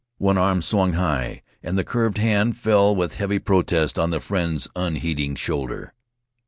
One arm swung high, and the curved hand fell with heavy protest on the friend's unheeding shoulder.